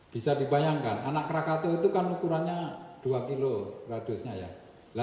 bisa dibayangkan anak krakato itu kan ukurannya dua kilo radiusnya ya